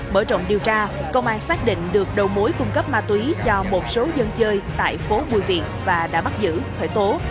bởi trọng điều tra công an xác định được đầu mối cung cấp ma túy cho một số dân chơi tại phố bùi viện và đã bắt giữ khởi tố